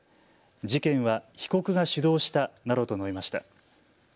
事件は被告が主導したなどと述べました。